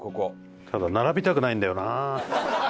ただ並びたくないんだよな。